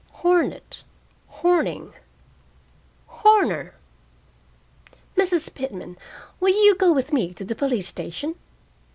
Hornet, Horning, Horner Mrs. Pitman, will you go with me to the police station?"